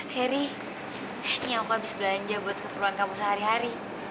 harry nih aku abis belanja buat keperluan kamu sehari hari